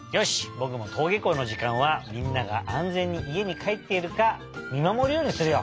ぼくもとうげこうのじかんはみんながあんぜんにいえにかえっているかみまもるようにするよ。